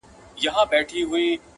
د لړم په څېر يې وار لکه مرگى وو٫